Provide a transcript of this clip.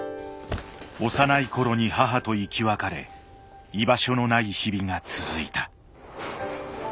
幼い頃に母と生き別れ居場所のない日々が続いた。